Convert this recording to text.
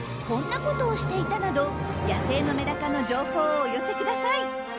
「こんなことをしていた」など野生のメダカの情報をお寄せください！